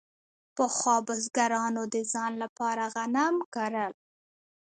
پخوا بزګرانو د ځان لپاره غنم کرل.